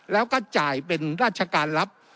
แล้วก็จ่ายเป็นราชการรับ